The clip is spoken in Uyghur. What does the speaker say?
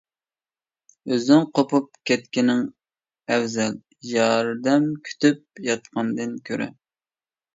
ئۆزۈڭ قوپۇپ كەتكىنىڭ ئەۋزەل، ياردەم كۈتۈپ ياتقاندىن كۈرە.